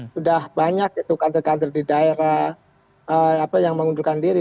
sudah banyak itu kader kader di daerah yang mengundurkan diri